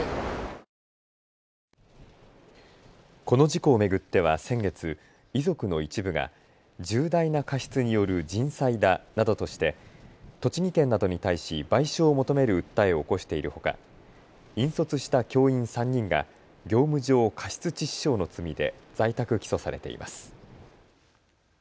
この事故を巡っては先月、遺族の一部が重大な過失による人災だなどとして栃木県などに対し、賠償を求める訴えを起こしているほか引率した教員３人が業務上過失致死傷の罪で在宅起訴されています。